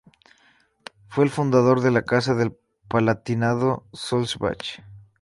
Fue el fundador de la Casa del Palatinado-Sulzbach.